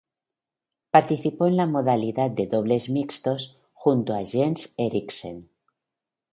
Participó en la modalidad de Dobles Mixtos junto a Jens Eriksen.